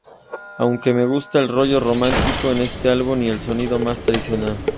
Aunque me gusta el rollo romántico en este álbum y el sonido más tradicional.